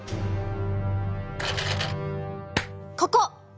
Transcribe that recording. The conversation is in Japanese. ここ。